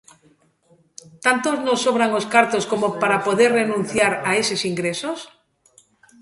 ¿Tanto nos sobran os cartos como para poder renunciar a eses ingresos?